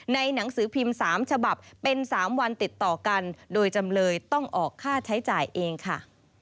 หนังสือพิมพ์๓ฉบับเป็น๓วันติดต่อกันโดยจำเลยต้องออกค่าใช้จ่ายเองค่ะ